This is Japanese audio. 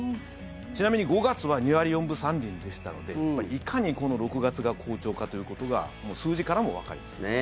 ちなみに５月は２割４分３厘でしたのでいかにこの６月が好調かということが数字からもわかります。